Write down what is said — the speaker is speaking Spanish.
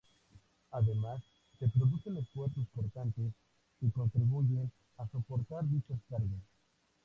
Además, se producen esfuerzos cortantes que contribuyen a soportar dichas cargas.